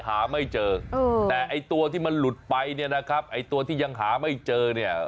หาไม่เจอแต่ไอ้ตัวที่มันหลุดไปเนี่ยนะครับไอ้ตัวที่ยังหาไม่เจอเนี่ย